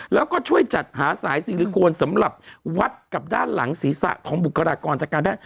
แล้วก็ช่วยจัดหาสายซิลิโคนสำหรับวัดกับด้านหลังศีรษะของบุคลากรทางการแพทย